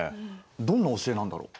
どんな教えなんだろう？